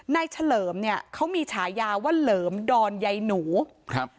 เฉลิมเนี่ยเขามีฉายาว่าเหลิมดอนใยหนูครับ